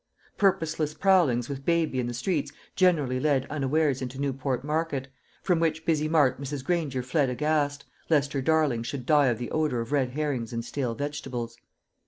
Purposeless prowlings with baby in the streets generally led unawares into Newport market, from which busy mart Mrs. Granger fled aghast, lest her darling should die of the odour of red herrings and stale vegetables.